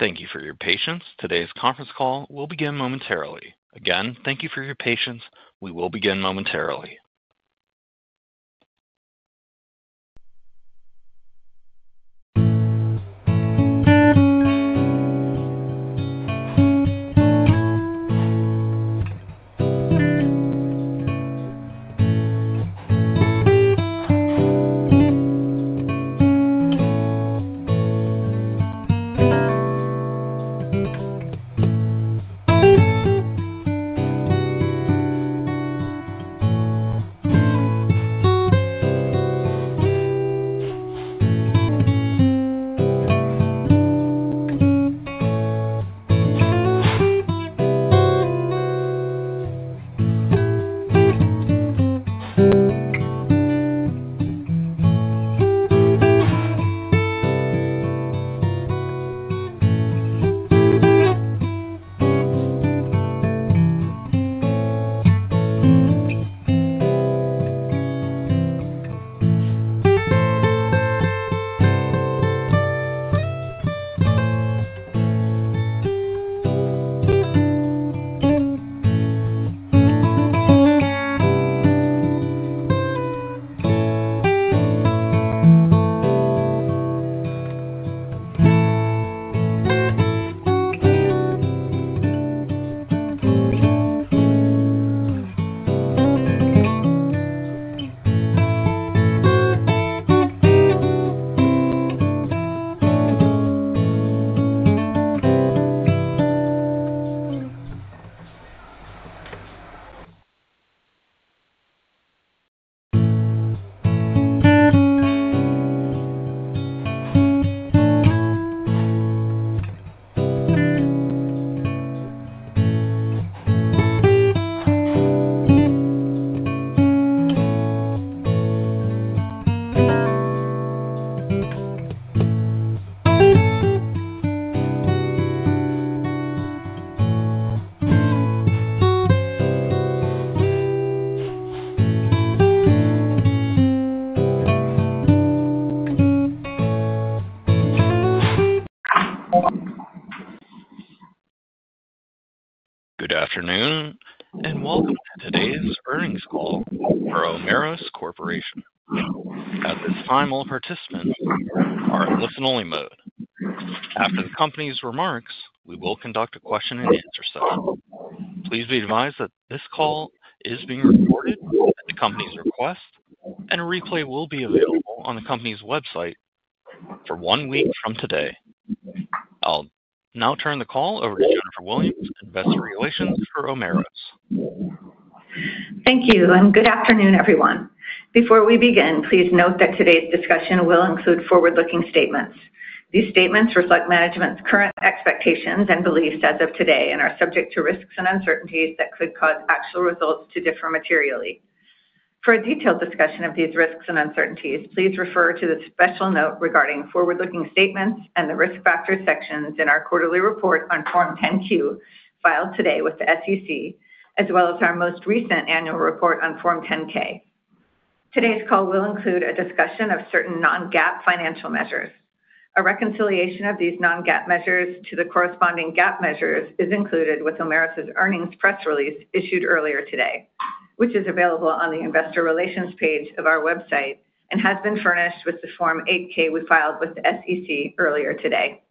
Thank you for your patience. Today's conference call will begin momentarily. Again, thank you for your patience. We will begin momentarily. Good afternoon and welcome to today's earnings call for Omeros Corporation. At this time, all participants are in listen-only mode. After the company's remarks, we will conduct a question-and-answer session. Please be advised that this call is being recorded at the company's request, and a replay will be available on the company's website for one week from today. I'll now turn the call over to Jennifer Williams, Investor Relations for Omeros. Thank you, and good afternoon, everyone. Before we begin, please note that today's discussion will include forward-looking statements. These statements reflect management's current expectations and beliefs as of today and are subject to risks and uncertainties that could cause actual results to differ materially. For a detailed discussion of these risks and uncertainties, please refer to the special note regarding forward-looking statements and the risk factor sections in our quarterly report on Form 10-Q filed today with the SEC, as well as our most recent annual report on Form 10-K. Today's call will include a discussion of certain non-GAAP financial measures. A reconciliation of these non-GAAP measures to the corresponding GAAP measures is included with Omeros' earnings press release issued earlier today, which is available on the Investor Relations page of our website and has been furnished with the Form 8-K we filed with the SEC earlier today.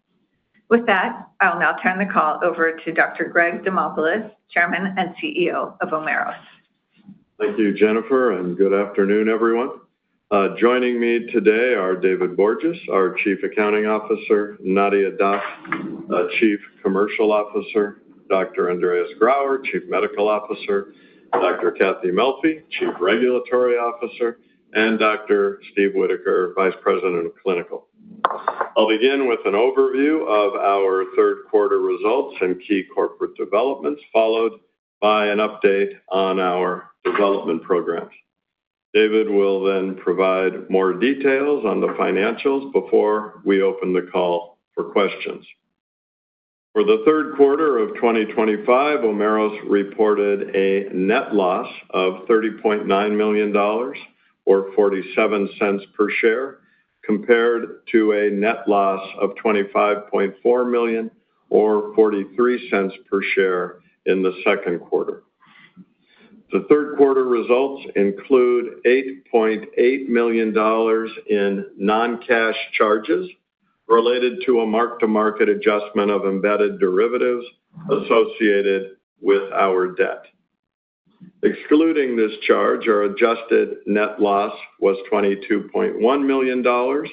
With that, I'll now turn the call over to Dr. Greg Demopulos, Chairman and CEO of Omeros. Thank you, Jennifer, and good afternoon, everyone. Joining me today are David Borges, our Chief Accounting Officer; Nadia Dac, Chief Commercial Officer; Dr. Andreas Grauer, Chief Medical Officer; Dr. Catherine Melfi, Chief Regulatory Officer; and Dr. Steve Whitaker, Vice President of Clinical. I'll begin with an overview of our third-quarter results and key corporate developments, followed by an update on our development programs. David will then provide more details on the financials before we open the call for questions. For the third quarter of 2025, Omeros reported a net loss of $30.9 million, or $0.47 per share, compared to a net loss of $25.4 million, or $0.43 per share, in the second quarter. The third-quarter results include $8.8 million in non-cash charges related to a mark-to-market adjustment of embedded derivatives associated with our debt. Excluding this charge, our adjusted net loss was $22.1 million,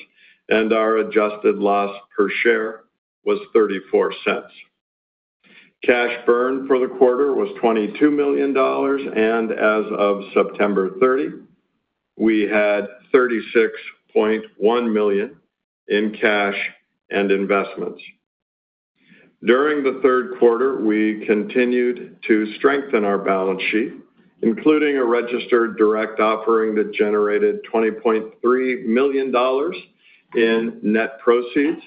and our adjusted loss per share was $0.34. Cash burn for the quarter was $22 million, and as of September 30, we had $36.1 million in cash and investments. During the third quarter, we continued to strengthen our balance sheet, including a registered direct offering that generated $20.3 million in net proceeds,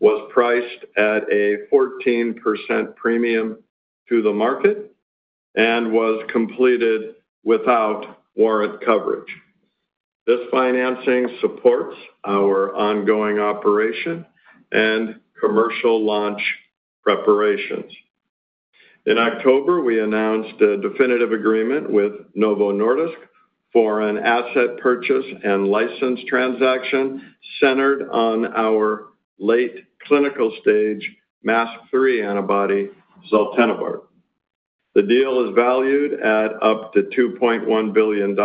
was priced at a 14% premium to the market, and was completed without warrant coverage. This financing supports our ongoing operation and commercial launch preparations. In October, we announced a definitive agreement with Novo Nordisk for an asset purchase and license transaction centered on our late clinical stage MASP-3 antibody, Zaltenibart. The deal is valued at up to $2.1 billion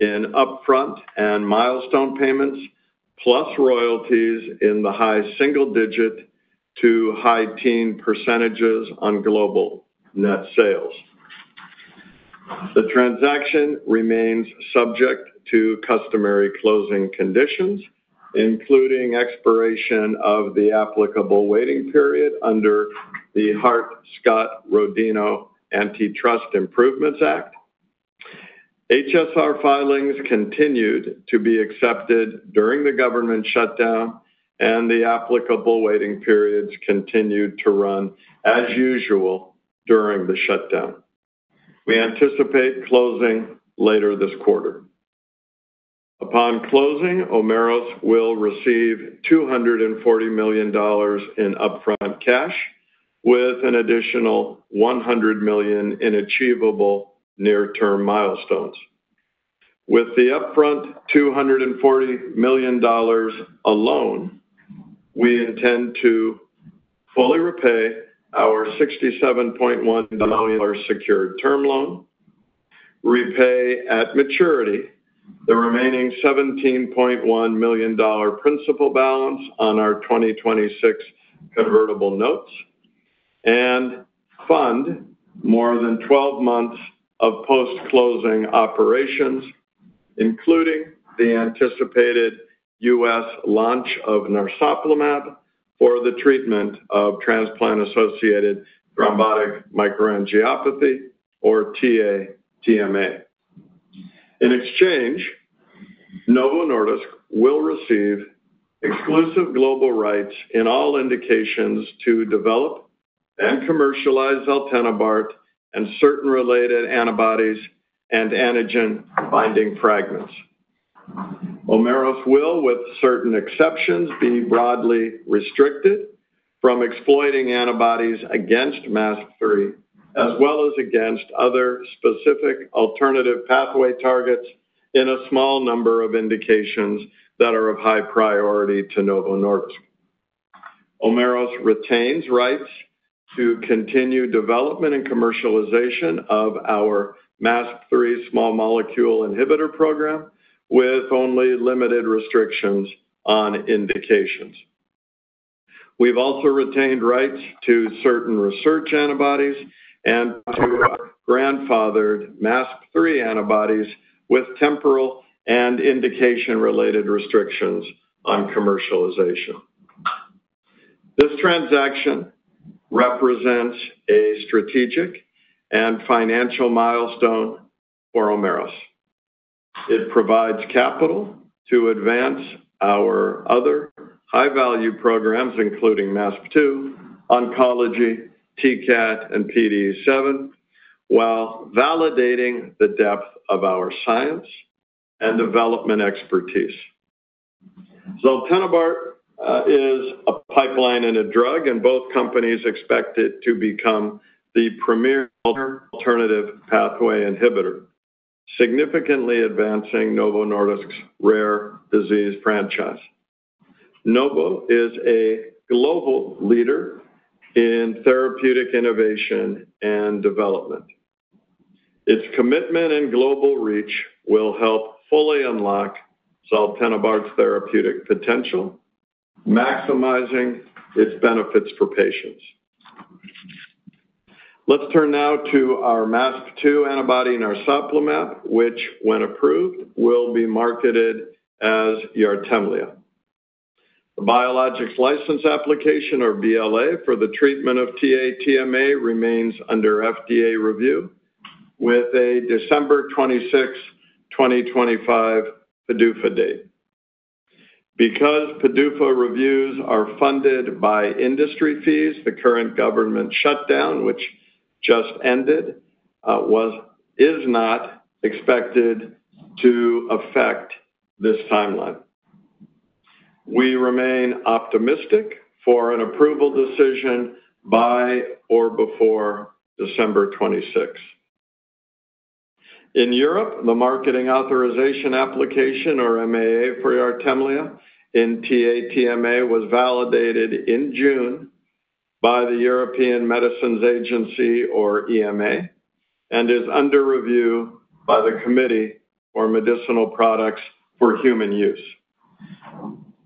in upfront and milestone payments, plus royalties in the high single-digit to high-teen percentages on global net sales. The transaction remains subject to customary closing conditions, including expiration of the applicable waiting period under the Hart-Scott-Rodino Antitrust Improvements Act. HSR filings continued to be accepted during the government shutdown, and the applicable waiting periods continued to run as usual during the shutdown. We anticipate closing later this quarter. Upon closing, Omeros will receive $240 million in upfront cash, with an additional $100 million in achievable near-term milestones. With the upfront $240 million alone, we intend to fully repay our $67.1 million secured term loan, repay at maturity the remaining $17.1 million principal balance on our 2026 convertible notes, and fund more than 12 months of post-closing operations, including the anticipated U.S. launch of narsoplimab for the treatment of transplant-associated thrombotic microangiopathy, or TATMA. In exchange, Novo Nordisk will receive exclusive global rights in all indications to develop and commercialize Zaltenibart and certain related antibodies and antigen-binding fragments. Omeros will, with certain exceptions, be broadly restricted from exploiting antibodies against MASP-3, as well as against other specific alternative pathway targets in a small number of indications that are of high priority to Novo Nordisk. Omeros retains rights to continue development and commercialization of our MASP-3 small molecule inhibitor program, with only limited restrictions on indications. We've also retained rights to certain research antibodies and to grandfathered MASP-3 antibodies with temporal and indication-related restrictions on commercialization. This transaction represents a strategic and financial milestone for Omeros. It provides capital to advance our other high-value programs, including MASP-2, oncology, TCAT, and PDE7, while validating the depth of our science and development expertise. Zaltenibart is a pipeline in a drug, and both companies expect it to become the premier alternative pathway inhibitor, significantly advancing Novo Nordisk's rare disease franchise. Novo is a global leader in therapeutic innovation and development. Its commitment and global reach will help fully unlock Zaltenibart's therapeutic potential, maximizing its benefits for patients. Let's turn now to our MASP-2 antibody narsoplimab, which, when approved, will be marketed as Yartemlya. The biologics license application, or BLA, for the treatment of TATMA remains under FDA review, with a December 26, 2025, PDUFA date. Because PDUFA reviews are funded by industry fees, the current government shutdown, which just ended, is not expected to affect this timeline. We remain optimistic for an approval decision by or before December 26. In Europe, the marketing authorization application, or MAA, for Yartemlya in TATMA was validated in June by the European Medicines Agency, or EMA, and is under review by the Committee for Medicinal Products for Human Use.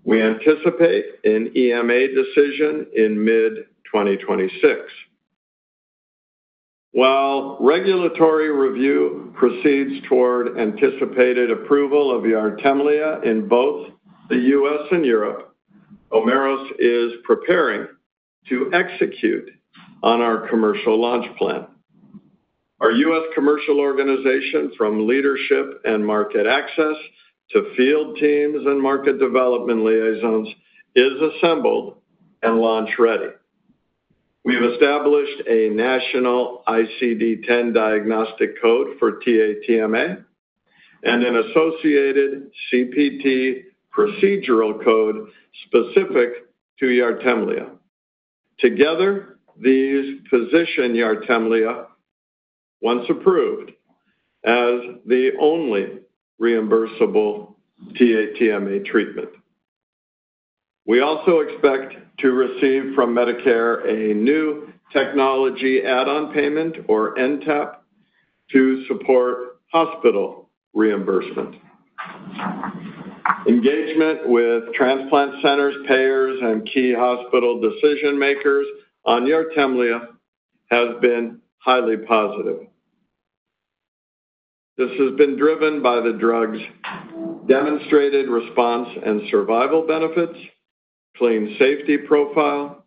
We anticipate an EMA decision in mid-2026. While regulatory review proceeds toward anticipated approval of Yartemlya in both the U.S. and Europe, Omeros is preparing to execute on our commercial launch plan. Our U.S. commercial organization, from leadership and market access to field teams and market development liaisons, is assembled and launch-ready. We've established a national ICD-10 diagnostic code for TATMA and an associated CPT procedural code specific to Yartemlya. Together, these position Yartemlya, once approved, as the only reimbursable TATMA treatment. We also expect to receive from Medicare a new technology add-on payment, or NTAP, to support hospital reimbursement. Engagement with transplant centers, payers, and key hospital decision-makers on Yartemlya has been highly positive. This has been driven by the drug's demonstrated response and survival benefits, clean safety profile,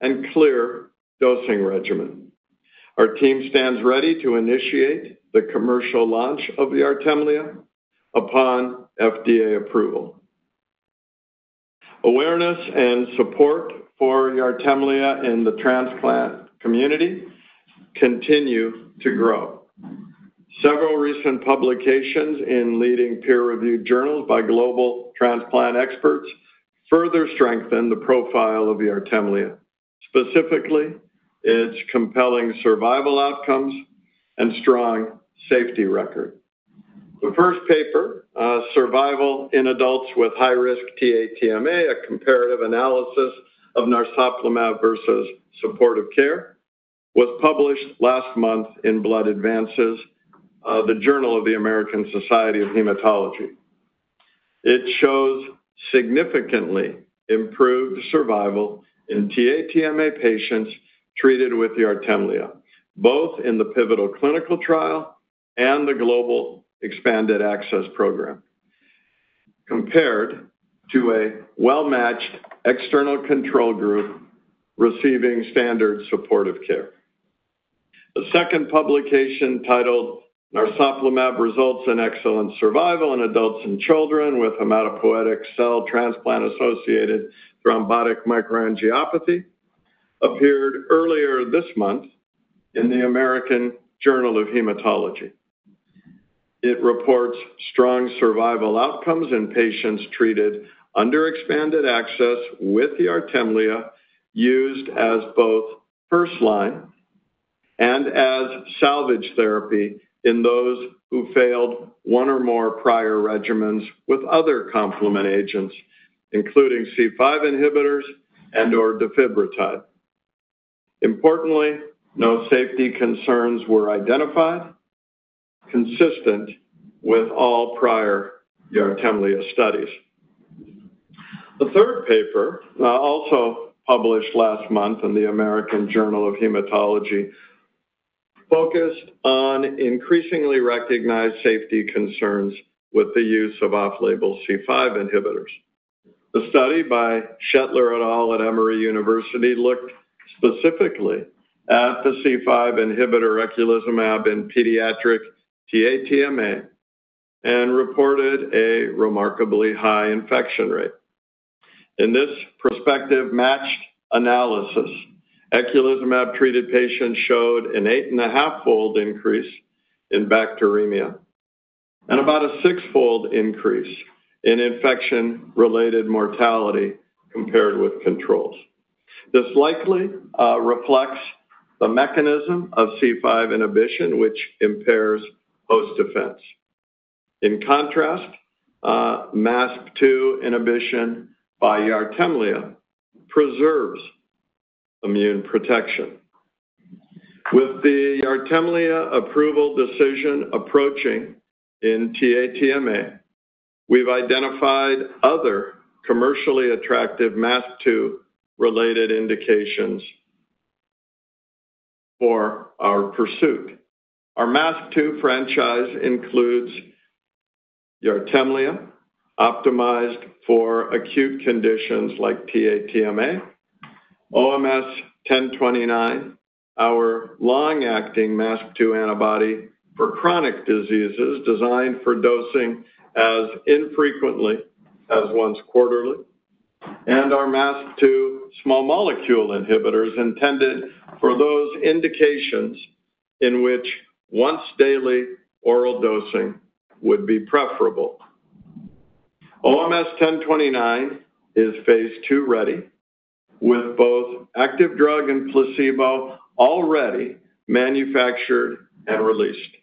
and clear dosing regimen. Our team stands ready to initiate the commercial launch of Yartemlya upon FDA approval. Awareness and support for Yartemlya in the transplant community continue to grow. Several recent publications in leading peer-reviewed journals by global transplant experts further strengthen the profile of Yartemlya, specifically its compelling survival outcomes and strong safety record. The first paper, Survival in Adults with High-Risk TATMA, a comparative analysis of narsoplimab versus supportive care, was published last month in Blood Advances, the Journal of the American Society of Hematology. It shows significantly improved survival in TATMA patients treated with Yartemlya, both in the pivotal clinical trial and the global expanded access program, compared to a well-matched external control group receiving standard supportive care. The second publication, titled Narsoplimab Results in Excellent Survival in Adults and Children with Hematopoietic Cell Transplant-Associated Thrombotic Microangiopathy, appeared earlier this month in the American Journal of Hematology. It reports strong survival outcomes in patients treated under expanded access with Yartemlya, used as both first-line and as salvage therapy in those who failed one or more prior regimens with other complement agents, including C5 inhibitors and/or defibrotide. Importantly, no safety concerns were identified, consistent with all prior Yartemlya studies. The third paper, also published last month in the American Journal of Hematology, focused on increasingly recognized safety concerns with the use of off-label C5 inhibitors. The study by Shetler et al. At Emory University looked specifically at the C5 inhibitor Eculizumab in pediatric TATMA and reported a remarkably high infection rate. In this prospective matched analysis, Eculizumab-treated patients showed an eight-and-a-half-fold increase in bacteremia and about a six-fold increase in infection-related mortality compared with controls. This likely reflects the mechanism of C5 inhibition, which impairs host defense. In contrast, MASP-2 inhibition by Yartemlya preserves immune protection. With the Yartemlya approval decision approaching in TATMA, we've identified other commercially attractive MASP-2-related indications for our pursuit. Our MASP-2 franchise includes Yartemlya, optimized for acute conditions like TATMA, OMS 1029, our long-acting MASP-2 antibody for chronic diseases designed for dosing as infrequently as once quarterly, and our MASP-2 small molecule inhibitors intended for those indications in which once-daily oral dosing would be preferable. OMS 1029 is phase two ready, with both active drug and placebo already manufactured and released.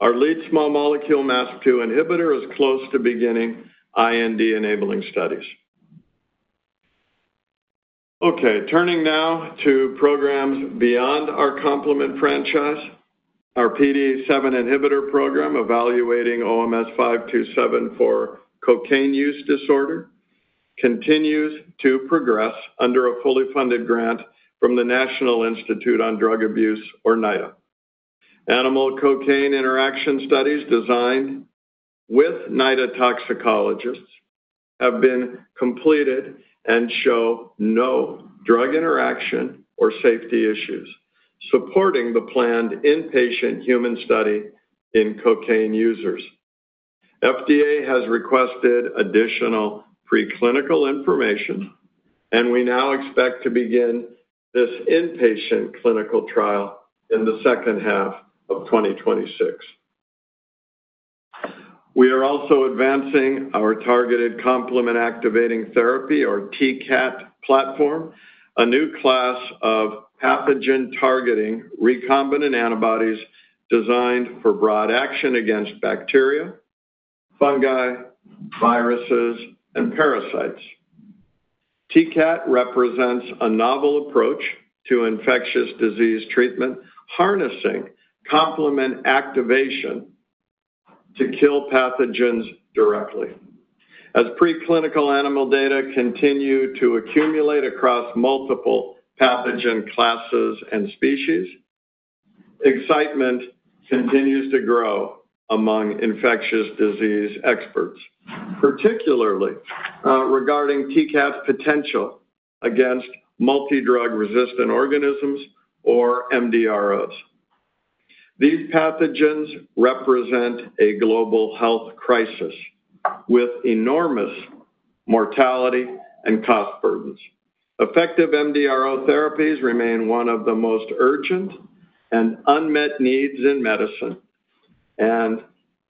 Our lead small molecule MASP-2 inhibitor is close to beginning IND-enabling studies. Okay, turning now to programs beyond our complement franchise. Our PDE7 inhibitor program, evaluating OMS 527 for cocaine use disorder, continues to progress under a fully funded grant from the National Institute on Drug Abuse, or NIDA. Animal cocaine interaction studies designed with NIDA toxicologists have been completed and show no drug interaction or safety issues, supporting the planned inpatient human study in cocaine users. FDA has requested additional preclinical information, and we now expect to begin this inpatient clinical trial in the second half of 2026. We are also advancing our targeted complement activating therapy, or TCAT, platform, a new class of pathogen-targeting recombinant antibodies designed for broad action against bacteria, fungi, viruses, and parasites. TCAT represents a novel approach to infectious disease treatment, harnessing complement activation to kill pathogens directly. As preclinical animal data continue to accumulate across multiple pathogen classes and species, excitement continues to grow among infectious disease experts, particularly regarding TCAT's potential against multi-drug resistant organisms, or MDROs. These pathogens represent a global health crisis with enormous mortality and cost burdens. Effective MDRO therapies remain one of the most urgent and unmet needs in medicine, and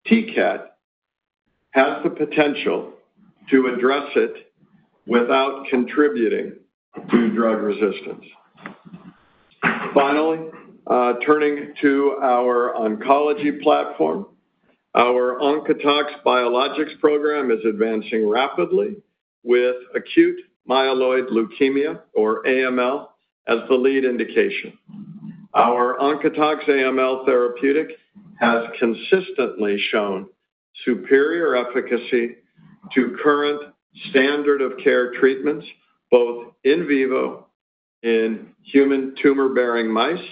TCAT has the potential to address it without contributing to drug resistance. Finally, turning to our oncology platform, our Oncotox Biologics program is advancing rapidly with acute myeloid leukemia, or AML, as the lead indication. Our Oncotox AML therapeutic has consistently shown superior efficacy to current standard-of-care treatments, both in vivo in human tumor-bearing mice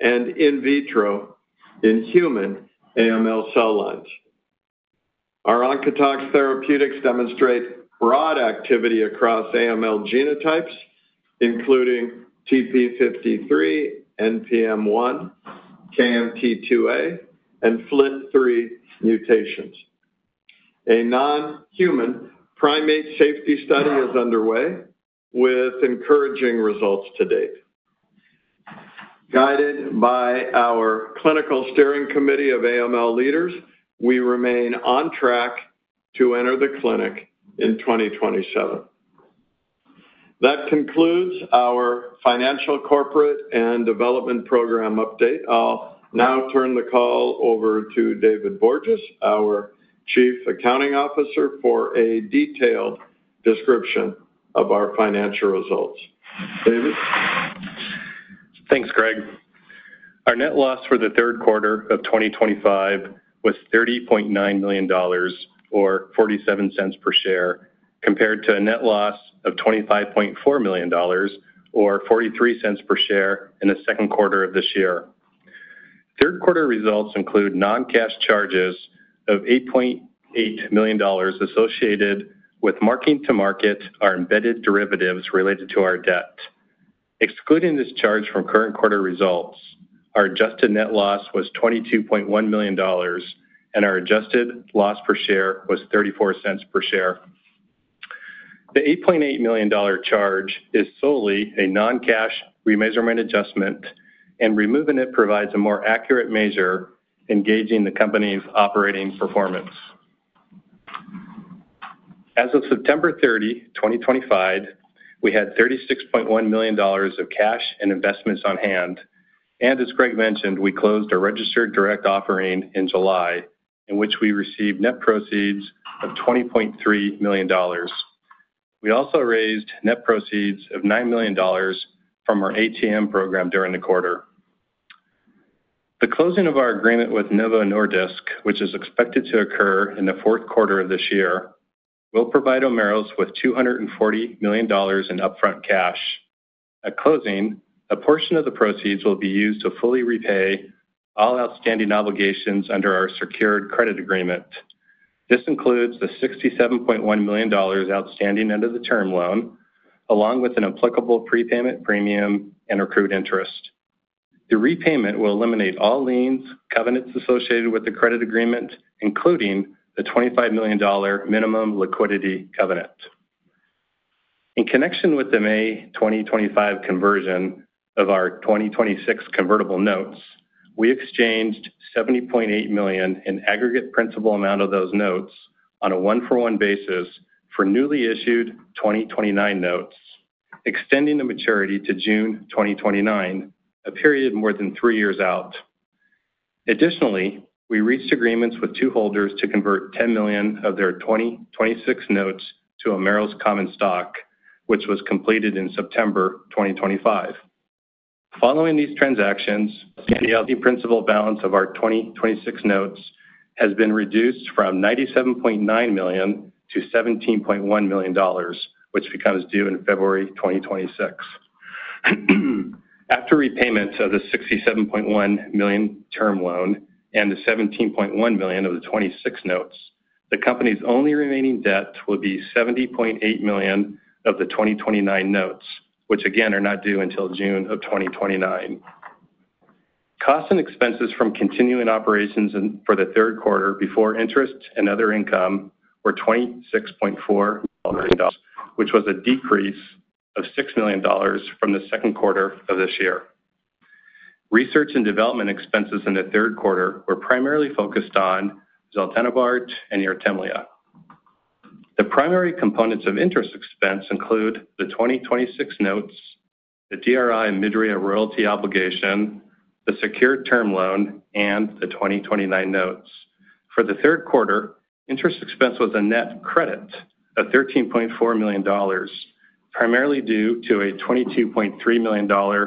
and in vitro in human AML cell lines. Our Oncotox therapeutics demonstrate broad activity across AML genotypes, including TP53, NPM1, KMT2A, and FLT3 mutations. A non-human primate safety study is underway, with encouraging results to date. Guided by our clinical steering committee of AML leaders, we remain on track to enter the clinic in 2027. That concludes our financial, corporate, and development program update. I'll now turn the call over to David Borges, our Chief Accounting Officer, for a detailed description of our financial results. David? Thanks, Greg. Our net loss for the third quarter of 2025 was $30.9 million, or $0.47 per share, compared to a net loss of $25.4 million, or $0.43 per share, in the second quarter of this year. Third-quarter results include non-cash charges of $8.8 million associated with marking to market our embedded derivatives related to our debt. Excluding this charge from current quarter results, our adjusted net loss was $22.1 million, and our adjusted loss per share was $0.34 per share. The $8.8 million charge is solely a non-cash remeasurement adjustment, and removing it provides a more accurate measure engaging the company's operating performance. As of September 30, 2025, we had $36.1 million of cash and investments on hand, and as Greg mentioned, we closed a registered direct offering in July in which we received net proceeds of $20.3 million. We also raised net proceeds of $9 million from our ATM program during the quarter. The closing of our agreement with Novo Nordisk, which is expected to occur in the fourth quarter of this year, will provide Omeros with $240 million in upfront cash. At closing, a portion of the proceeds will be used to fully repay all outstanding obligations under our secured credit agreement. This includes the $67.1 million outstanding end-of-the-term loan, along with an applicable prepayment premium and accrued interest. The repayment will eliminate all liens, covenants associated with the credit agreement, including the $25 million minimum liquidity covenant. In connection with the May 2025 conversion of our 2026 convertible notes, we exchanged $70.8 million in aggregate principal amount of those notes on a one-for-one basis for newly issued 2029 notes, extending the maturity to June 2029, a period more than three years out. Additionally, we reached agreements with two holders to convert $10 million of their 2026 notes to Omeros Common Stock, which was completed in September 2025. Following these transactions, the principal balance of our 2026 notes has been reduced from $97.9 million to $17.1 million, which becomes due in February 2026. After repayment of the $67.1 million term loan and the $17.1 million of the 2026 notes, the company's only remaining debt will be $70.8 million of the 2029 notes, which again are not due until June of 2029. Costs and expenses from continuing operations for the third quarter before interest and other income were $26.4 million, which was a decrease of $6 million from the second quarter of this year. Research and development expenses in the third quarter were primarily focused on Zaltenibart and Yartemlya. The primary components of interest expense include the 2026 notes, the DRI Omidria royalty obligation, the secured term loan, and the 2029 notes. For the third quarter, interest expense was a net credit of $13.4 million, primarily due to a $22.3 million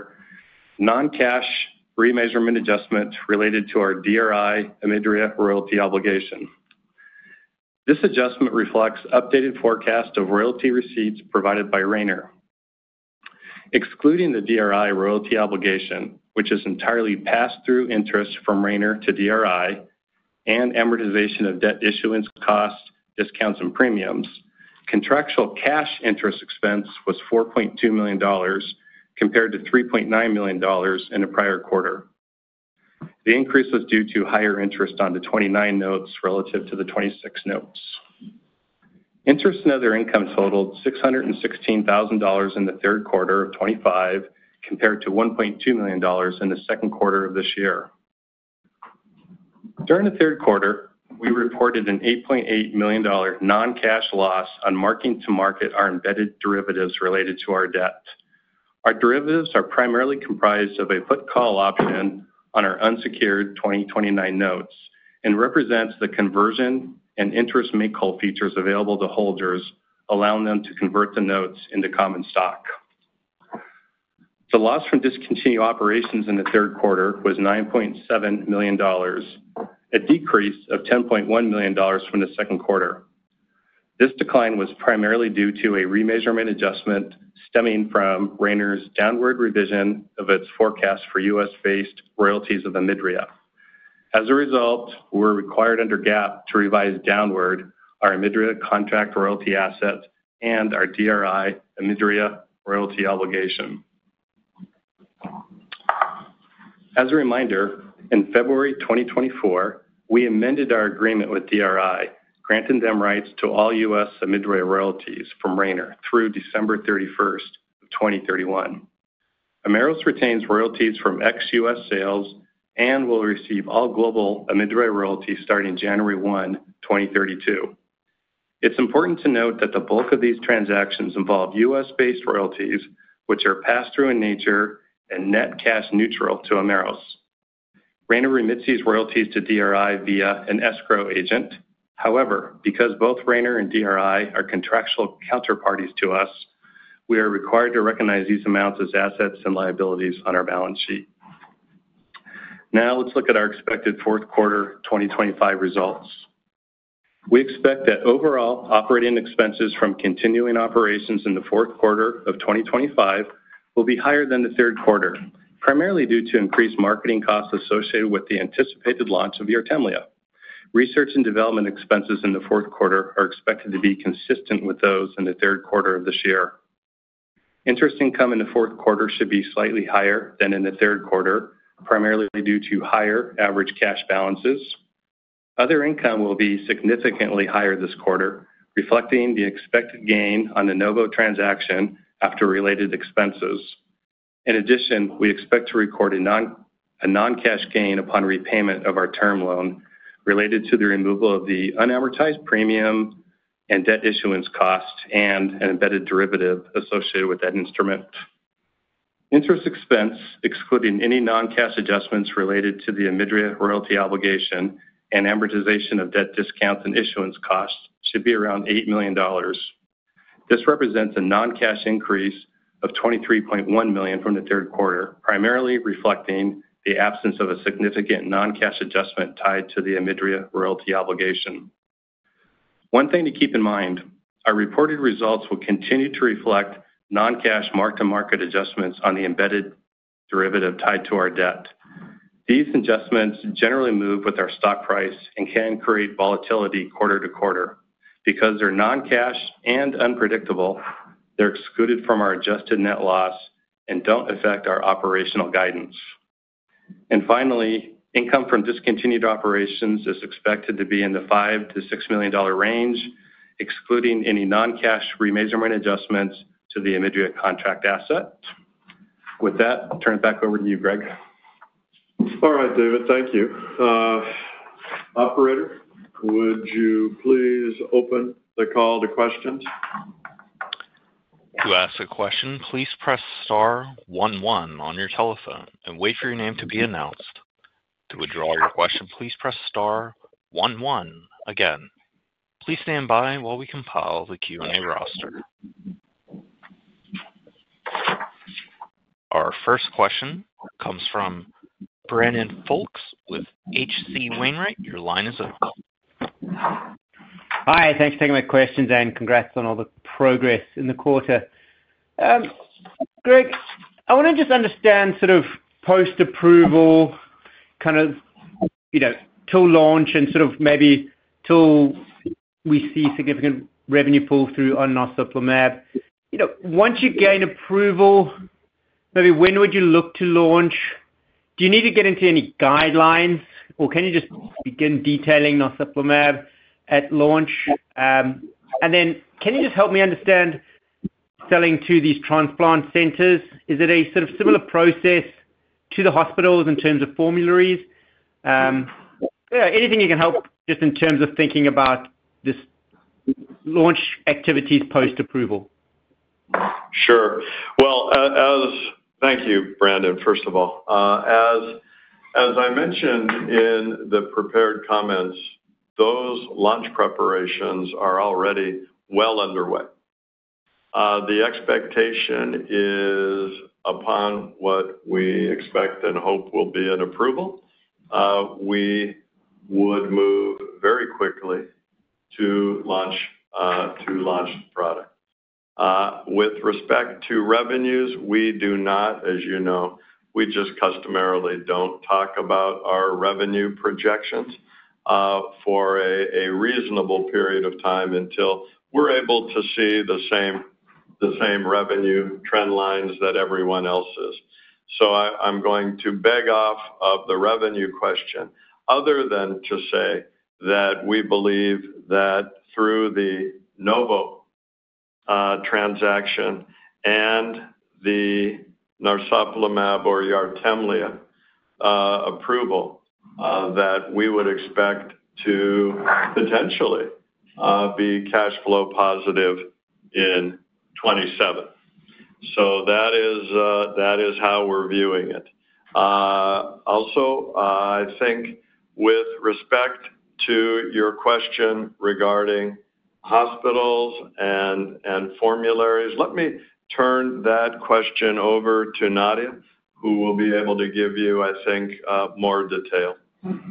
non-cash remeasurement adjustment related to our DRI Omidria royalty obligation. This adjustment reflects an updated forecast of royalty receipts provided by Rayner. Excluding the DRI royalty obligation, which is entirely pass-through interest from Rayner to DRI and amortization of debt issuance costs, discounts, and premiums, contractual cash interest expense was $4.2 million, compared to $3.9 million in the prior quarter. The increase was due to higher interest on the 2029 notes relative to the 2026 notes. Interest and other income totaled $616,000 in the third quarter of 2025, compared to $1.2 million in the second quarter of this year. During the third quarter, we reported an $8.8 million non-cash loss on marking to market our embedded derivatives related to our debt. Our derivatives are primarily comprised of a put-call option on our unsecured 2029 notes and represent the conversion and interest make-whole features available to holders, allowing them to convert the notes into common stock. The loss from discontinued operations in the third quarter was $9.7 million, a decrease of $10.1 million from the second quarter. This decline was primarily due to a remeasurement adjustment stemming from Rayner's downward revision of its forecast for U.S.-based royalties of Omidria. As a result, we were required under GAAP to revise downward our Omidria contract royalty asset and our DRI Omidria royalty obligation. As a reminder, in February 2024, we amended our agreement with DRI, granting them rights to all U.S. Omidria royalties from Rayner through December 31 of 2031. Omeros retains royalties from ex-U.S. sales and will receive all global Omidria royalties starting January 1, 2032. It's important to note that the bulk of these transactions involve U.S.-based royalties, which are pass-through in nature and net cash neutral to Omeros. Rayner remits these royalties to DRI via an escrow agent. However, because both Rayner and DRI are contractual counterparties to us, we are required to recognize these amounts as assets and liabilities on our balance sheet. Now, let's look at our expected fourth quarter 2025 results. We expect that overall operating expenses from continuing operations in the fourth quarter of 2025 will be higher than the third quarter, primarily due to increased marketing costs associated with the anticipated launch of Yartemlya. Research and development expenses in the fourth quarter are expected to be consistent with those in the third quarter of this year. Interest income in the fourth quarter should be slightly higher than in the third quarter, primarily due to higher average cash balances. Other income will be significantly higher this quarter, reflecting the expected gain on the Novo transaction after related expenses. In addition, we expect to record a non-cash gain upon repayment of our term loan related to the removal of the unamortized premium and debt issuance cost and an embedded derivative associated with that instrument. Interest expense, excluding any non-cash adjustments related to the Omidria royalty obligation and amortization of debt discounts and issuance costs, should be around $8 million. This represents a non-cash increase of $23.1 million from the third quarter, primarily reflecting the absence of a significant non-cash adjustment tied to the Omidria royalty obligation. One thing to keep in mind: our reported results will continue to reflect non-cash mark-to-market adjustments on the embedded derivative tied to our debt. These adjustments generally move with our stock price and can create volatility quarter to quarter. Because they're non-cash and unpredictable, they're excluded from our adjusted net loss and don't affect our operational guidance. Finally, income from discontinued operations is expected to be in the $5 million-$6 million range, excluding any non-cash remeasurement adjustments to the Omidria contract asset. With that, I'll turn it back over to you, Greg. All right, David, thank you. Operator, would you please open the call to questions? To ask a question, please press star one one on your telephone and wait for your name to be announced. To withdraw your question, please press star one one again. Please stand by while we compile the Q&A roster. Our first question comes from Brandon Folkes with HC Wainwright. Your line is open. Hi, thanks for taking my questions and congrats on all the progress in the quarter. Greg, I want to just understand sort of post-approval, kind of till launch and sort of maybe till we see significant revenue pull-through on narsoplimab. Once you gain approval, maybe when would you look to launch? Do you need to get into any guidelines, or can you just begin detailing narsoplimab at launch? Can you just help me understand selling to these transplant centers? Is it a sort of similar process to the hospitals in terms of formularies? Anything you can help just in terms of thinking about this launch activities post-approval? Sure. Thank you, Brandon, first of all. As I mentioned in the prepared comments, those launch preparations are already well underway. The expectation is upon what we expect and hope will be an approval. We would move very quickly to launch the product. With respect to revenues, we do not, as you know, we just customarily do not talk about our revenue projections for a reasonable period of time until we are able to see the same revenue trend lines that everyone else is. I am going to beg off of the revenue question, other than to say that we believe that through the Novo transaction and the narsoplimab or Yartemlya approval, we would expect to potentially be cash flow positive in 2027. That is how we are viewing it. Also, I think with respect to your question regarding hospitals and formularies, let me turn that question over to Nadia, who will be able to give you, I think, more detail.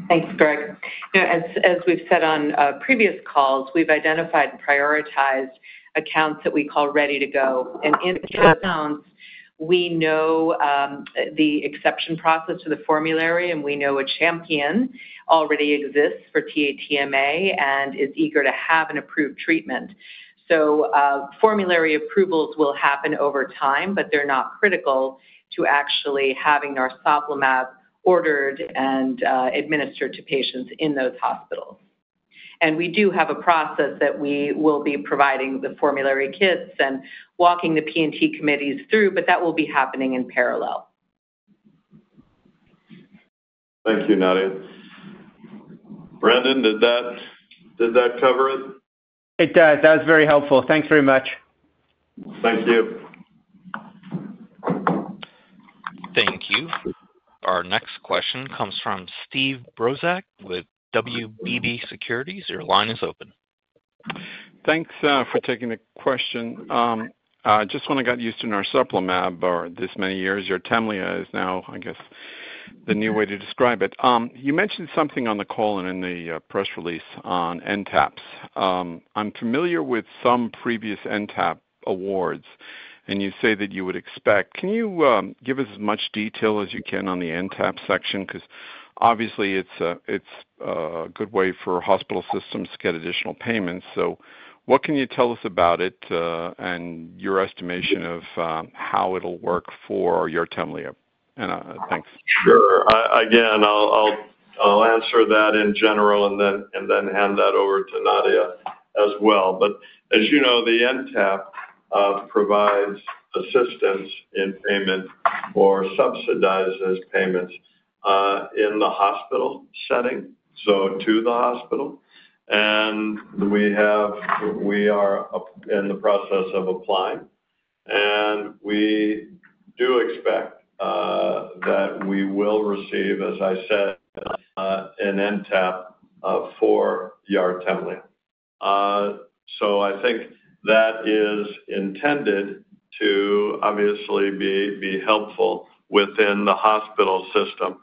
Thanks, Greg. As we have said on previous calls, we have identified and prioritized accounts that we call ready to go. In the countdowns, we know the exception process to the formulary, and we know a champion already exists for TATMA and is eager to have an approved treatment. Formulary approvals will happen over time, but they're not critical to actually having narsoplimab ordered and administered to patients in those hospitals. We do have a process that we will be providing the formulary kits and walking the P&T committees through, but that will be happening in parallel. Thank you, Nadia. Brandon, did that cover it? It does. That was very helpful. Thanks very much. Thank you. Thank you. Our next question comes from Steve Brozak with WBB Securities. Your line is open. Thanks for taking the question. Just when I got used to narsoplimab for this many years, Yartemlya is now, I guess, the new way to describe it. You mentioned something on the call and in the press release on NTAPs. I'm familiar with some previous NTAP awards, and you say that you would expect. Can you give us as much detail as you can on the NTAP section? Because obviously, it's a good way for hospital systems to get additional payments. What can you tell us about it and your estimation of how it'll work for Yartemlya? And thanks. Sure. Again, I'll answer that in general and then hand that over to Nadia as well. As you know, the NTAP provides assistance in payment or subsidizes payments in the hospital setting, to the hospital. We are in the process of applying. We do expect that we will receive, as I said, an NTAP for Yartemlya. I think that is intended to obviously be helpful within the hospital system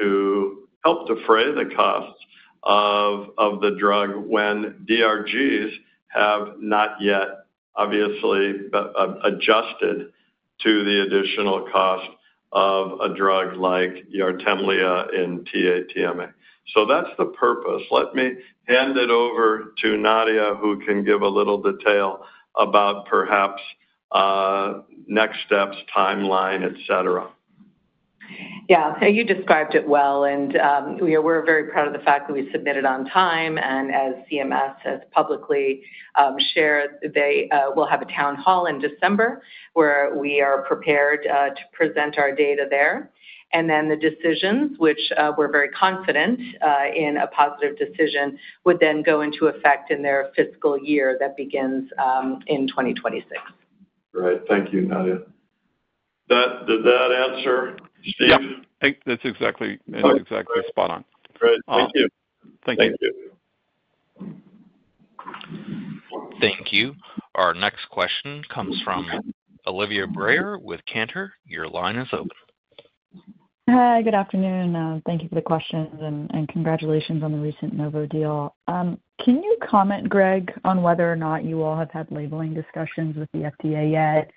to help defray the costs of the drug when DRGs have not yet obviously adjusted to the additional cost of a drug like Yartemlya in TATMA. That is the purpose. Let me hand it over to Nadia, who can give a little detail about perhaps next steps, timeline, etc. Yeah. You described it well. We are very proud of the fact that we submitted on time. As CMS has publicly shared, they will have a town hall in December where we are prepared to present our data there. The decisions, which we are very confident in a positive decision, would then go into effect in their fiscal year that begins in 2026. Right. Thank you, Nadia. Did that answer, Steve? Yeah. That is exactly spot on. Great. Thank you. Thank you. Thank you. Our next question comes from Olivia Breyer with Cantor. Your line is open. Hi. Good afternoon. Thank you for the question and congratulations on the recent Novo deal. Can you comment, Greg, on whether or not you all have had labeling discussions with the FDA yet?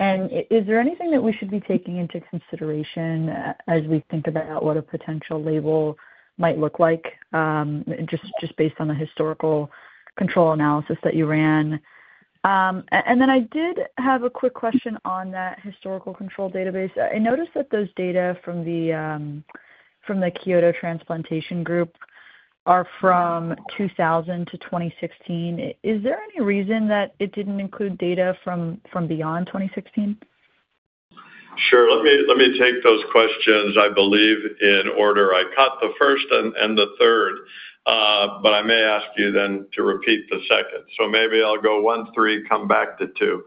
Is there anything that we should be taking into consideration as we think about what a potential label might look like, just based on the historical control analysis that you ran? I did have a quick question on that historical control database. I noticed that those data from the Kyoto Transplantation Group are from 2000 to 2016. Is there any reason that it did not include data from beyond 2016? Sure. Let me take those questions, I believe, in order. I caught the first and the third, but I may ask you then to repeat the second. Maybe I'll go one, three, come back to two.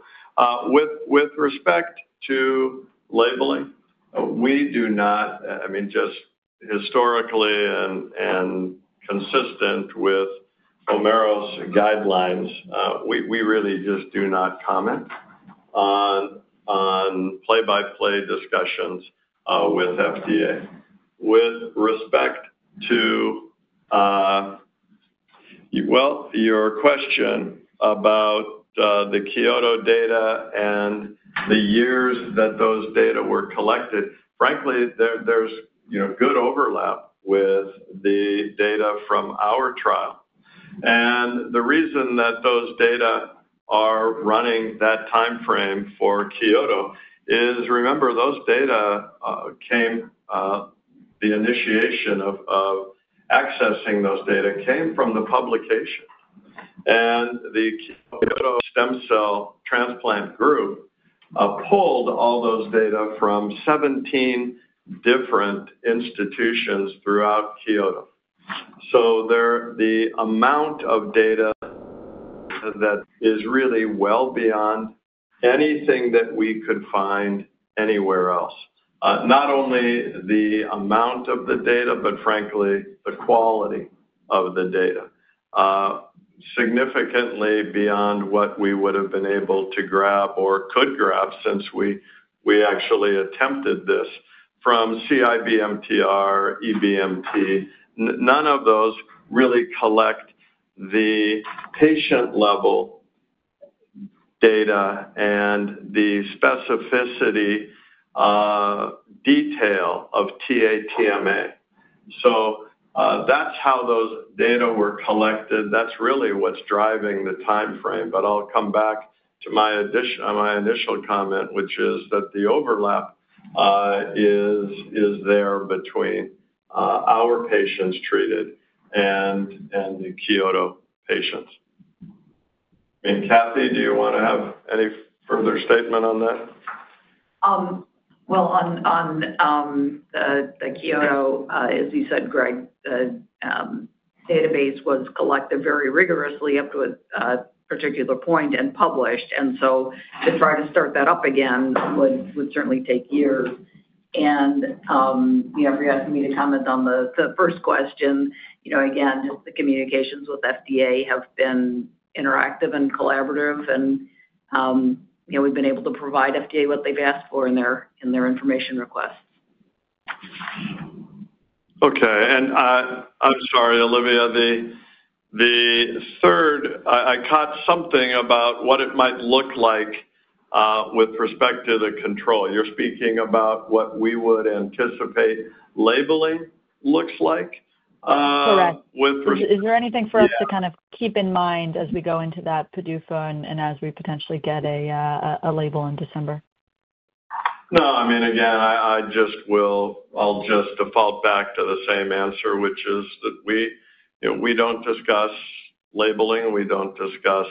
With respect to labeling, we do not, I mean, just historically and consistent with Omeros guidelines, we really just do not comment on play-by-play discussions with FDA. With respect to your question about the Kyoto data and the years that those data were collected, frankly, there's good overlap with the data from our trial. The reason that those data are running that timeframe for Kyoto is, remember, those data came—the initiation of accessing those data came from the publication. The Kyoto Stem Cell Transplant Group pulled all those data from 17 different institutions throughout Kyoto. The amount of data is really well beyond anything that we could find anywhere else. Not only the amount of the data, but frankly, the quality of the data. Significantly beyond what we would have been able to grab or could grab since we actually attempted this from CIBMTR, EBMT. None of those really collect the patient-level data and the specificity detail of TATMA. That is how those data were collected. That is really what is driving the timeframe. I will come back to my initial comment, which is that the overlap is there between our patients treated and the Kyoto patients. Kathy, do you want to have any further statement on that? On the Kyoto, as you said, Greg, the database was collected very rigorously up to a particular point and published. To try to start that up again would certainly take years. If you are asking me to comment on the first question, again, just the communications with FDA have been interactive and collaborative. We have been able to provide FDA what they have asked for in their information requests. I am sorry, Olivia, the third, I caught something about what it might look like with respect to the control. You are speaking about what we would anticipate labeling looks like with respect to. Correct. Is there anything for us to kind of keep in mind as we go into that PDUFA and as we potentially get a label in December? No. I mean, again, I will just default back to the same answer, which is that we do not discuss labeling. We do not discuss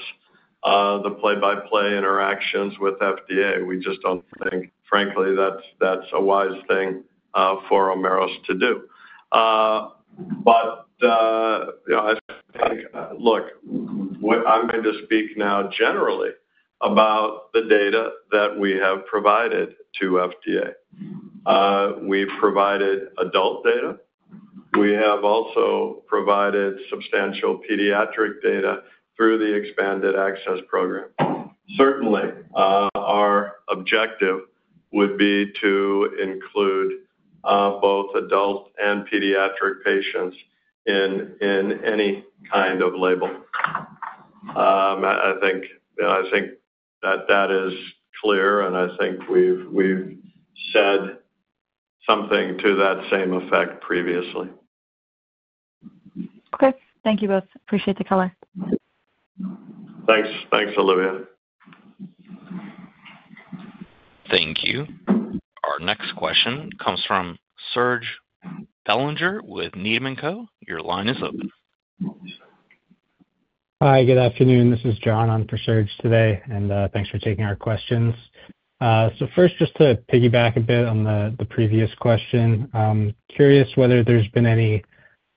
the play-by-play interactions with FDA. We just do not think, frankly, that is a wise thing for Omeros to do. I think, look, I am going to speak now generally about the data that we have provided to FDA. We have provided adult data. We have also provided substantial pediatric data through the expanded access program. Certainly, our objective would be to include both adult and pediatric patients in any kind of label. I think that is clear, and I think we've said something to that same effect previously. Okay. Thank you both. Appreciate the color. Thanks. Thanks, Olivia. Thank you. Our next question comes from Serge Bellinger with Needham & Co. Your line is open. Hi. Good afternoon. This is John on for Serge today. And thanks for taking our questions. First, just to piggyback a bit on the previous question, I'm curious whether there's been any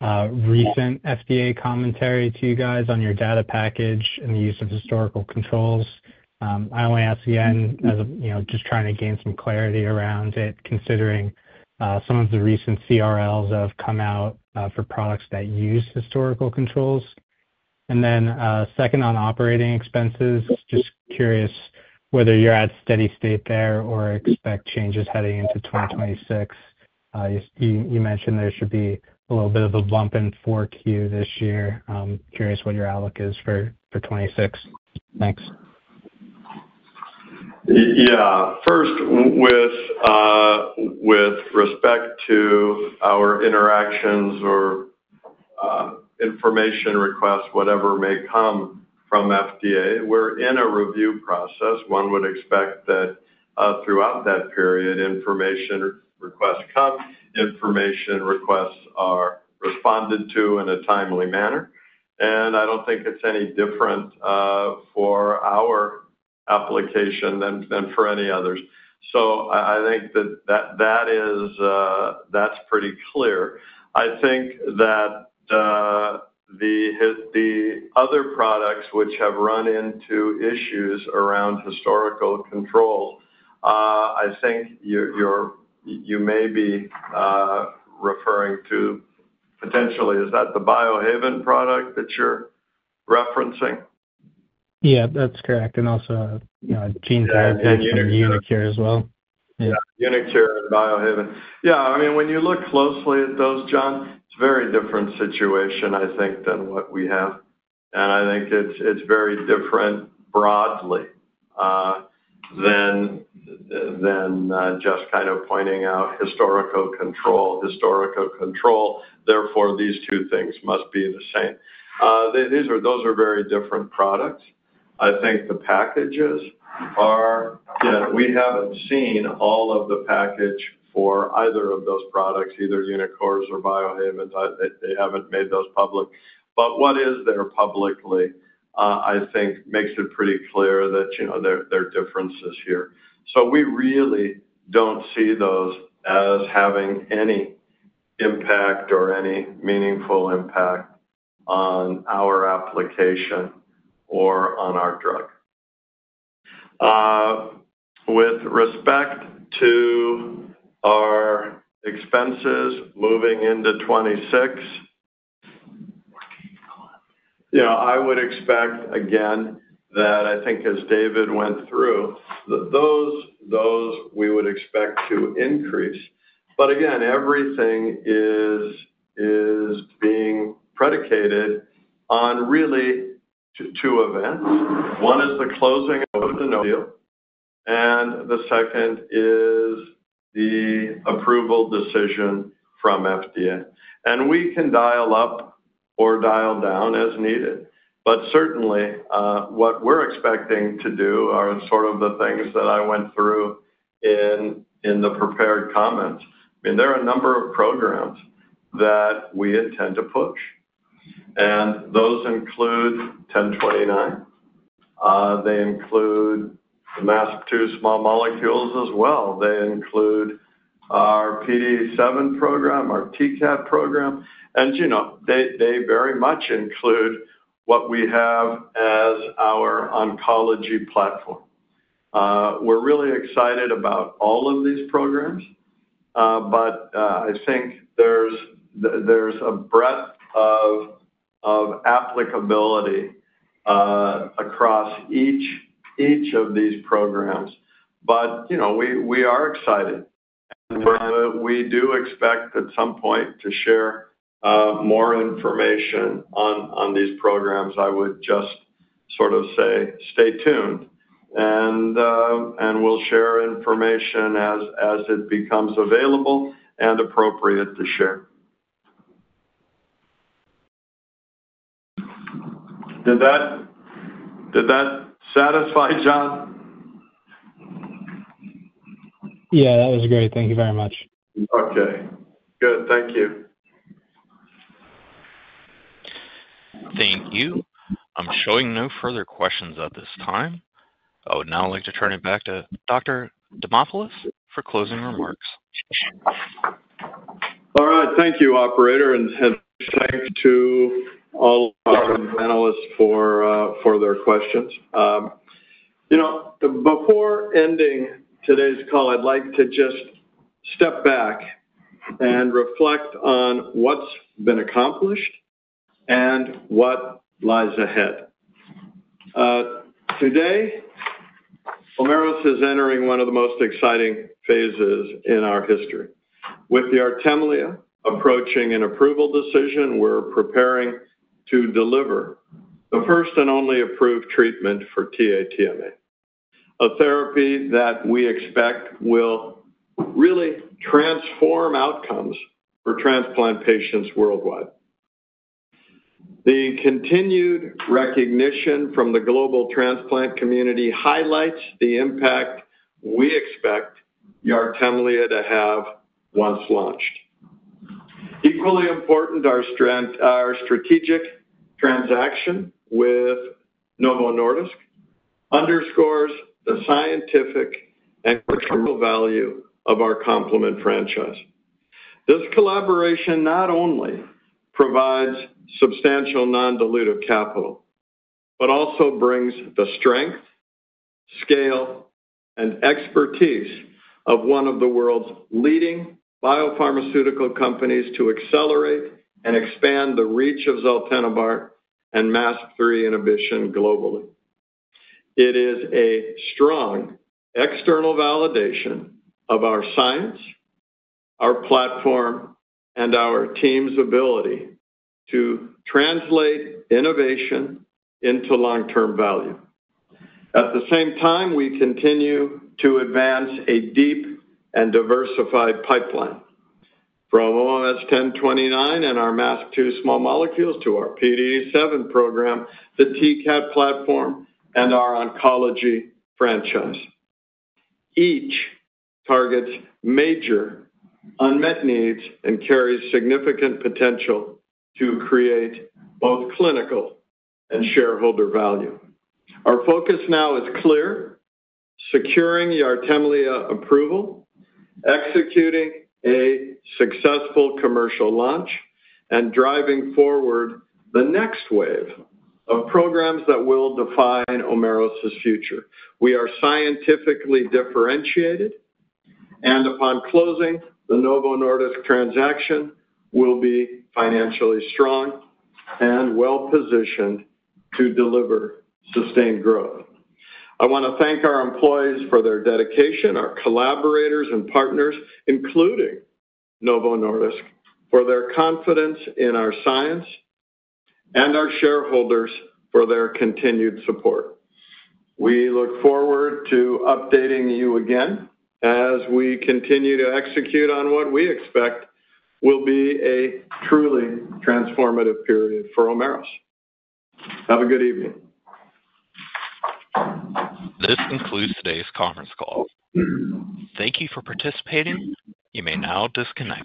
recent FDA commentary to you guys on your data package and the use of historical controls. I only ask again as just trying to gain some clarity around it, considering some of the recent CRLs that have come out for products that use historical controls. On operating expenses, just curious whether you're at steady state there or expect changes heading into 2026. You mentioned there should be a little bit of a bump in Q4 this year. Curious what your outlook is for 2026. Thanks. First, with respect to our interactions or information requests, whatever may come from FDA, we're in a review process. One would expect that throughout that period, information requests come, information requests are responded to in a timely manner. I don't think it's any different for our application than for any others. I think that's pretty clear. I think that the other products which have run into issues around historical controls, I think you may be referring to potentially, is that the Biohaven product that you're referencing? Yeah. That's correct. And also GeneTherapy and Unicare as well. Unicare and Biohaven. Yeah. I mean, when you look closely at those, John, it's a very different situation, I think, than what we have. I think it's very different broadly than just kind of pointing out historical control. Historical control, therefore, these two things must be the same. Those are very different products. I think the packages are—yeah, we haven't seen all of the package for either of those products, either Unicores or Biohaven. They haven't made those public. What is there publicly, I think, makes it pretty clear that there are differences here. We really don't see those as having any impact or any meaningful impact on our application or on our drug. With respect to our expenses moving into 2026, yeah, I would expect, again, that I think as David went through, those we would expect to increase. Again, everything is being predicated on really two events. One is the closing of the deal, and the second is the approval decision from FDA. We can dial up or dial down as needed. Certainly, what we're expecting to do are sort of the things that I went through in the prepared comments. I mean, there are a number of programs that we intend to push. Those include 1029. They include the MASP-2 small molecules as well. They include our PDE7 program, our TCAT program. They very much include what we have as our oncology platform. We're really excited about all of these programs. I think there's a breadth of applicability across each of these programs. We are excited. We do expect at some point to share more information on these programs. I would just sort of say, stay tuned. We'll share information as it becomes available and appropriate to share. Did that satisfy, John? Yeah. That was great. Thank you very much. Okay. Good. Thank you. Thank you. I'm showing no further questions at this time. I would now like to turn it back to Dr. Demopulos for closing remarks. All right. Thank you, Operator. And thanks to all of our panelists for their questions. Before ending today's call, I'd like to just step back and reflect on what's been accomplished and what lies ahead. Today, Omeros is entering one of the most exciting phases in our history. With the Yartemlya approaching an approval decision, we're preparing to deliver the first and only approved treatment for TATMA, a therapy that we expect will really transform outcomes for transplant patients worldwide. The continued recognition from the global transplant community highlights the impact we expect the Yartemlya to have once launched. Equally important, our strategic transaction with Novo Nordisk underscores the scientific and cultural value of our complement franchise. This collaboration not only provides substantial non-dilutive capital, but also brings the strength, scale, and expertise of one of the world's leading biopharmaceutical companies to accelerate and expand the reach of Zaltenibart and MASP-3 inhibition globally. It is a strong external validation of our science, our platform, and our team's ability to translate innovation into long-term value. At the same time, we continue to advance a deep and diversified pipeline from OMS 1029 and our MASP-2 small molecules to our PDE7 program, the TCAT platform, and our oncology franchise. Each targets major unmet needs and carries significant potential to create both clinical and shareholder value. Our focus now is clear: securing the Yartemlya approval, executing a successful commercial launch, and driving forward the next wave of programs that will define Omeros' future. We are scientifically differentiated. Upon closing the Novo Nordisk transaction, we will be financially strong and well-positioned to deliver sustained growth. I want to thank our employees for their dedication, our collaborators and partners, including Novo Nordisk, for their confidence in our science, and our shareholders for their continued support. We look forward to updating you again as we continue to execute on what we expect will be a truly transformative period for Omeros. Have a good evening. This concludes today's conference call. Thank you for participating. You may now disconnect.